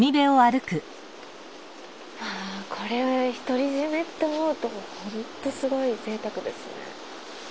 あこれを独り占めって思うとホントすごいぜいたくですね。